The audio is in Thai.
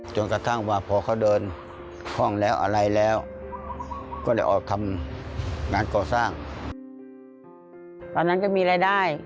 จนกระทั่งว่าก็ออกทำงั้นก็มีรายได้